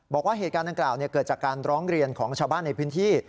บอกว่าเหตุการณ์ดังกล่าวเกิดจากการร้องเรียนของชาวบ้านในพื้นที่